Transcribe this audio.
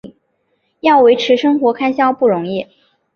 要维持生活开销不容易